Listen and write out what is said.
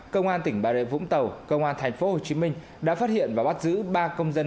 công an tỉnh bà rệ vũng tàu công an thành phố hồ chí minh đã phát hiện và bắt giữ ba công dân